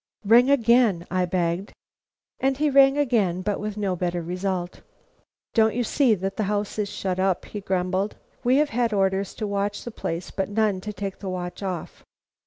"Ring again!" I begged. And he rang again but with no better result. "Don't you see that the house is shut up?" he grumbled. "We have had orders to watch the place, but none to take the watch off."